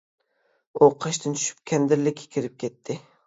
ئۇ قاشتىن چۈشۈپ، كەندىرلىككە كىرىپ كەتتى.